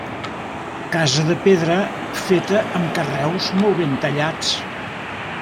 Casa de pedra, feta amb carreus molt ben tallats.